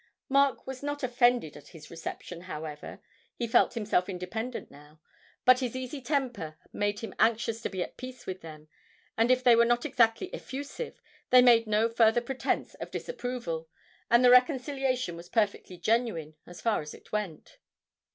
Mark was not offended at his reception, however, he felt himself independent now; but his easy temper made him anxious to be at peace with them, and if they were not exactly effusive, they made no further pretence of disapproval, and the reconciliation was perfectly genuine as far as it went.